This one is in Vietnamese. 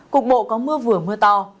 cục bộ có mưa vừa mưa to